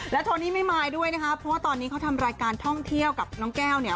โทนี่ไม่มายด้วยนะคะเพราะว่าตอนนี้เขาทำรายการท่องเที่ยวกับน้องแก้วเนี่ย